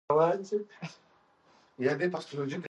آیا کولمو بکتریاوې د رواني ناروغیو مخه نیسي؟